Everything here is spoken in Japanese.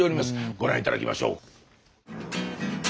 ご覧頂きましょう。